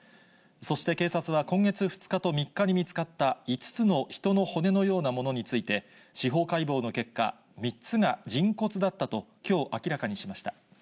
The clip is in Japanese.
そして警察は、今月２日と３日に見つかった５つの人の骨のようなものについて、司法解剖の結果、３つが人骨だったと、きょう明らかにしました。